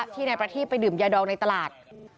ที่นายประทีบไปดื่มยาดองในตลาด